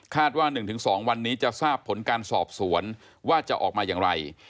ว่า๑๒วันนี้จะทราบผลการสอบสวนว่าจะออกมาอย่างไร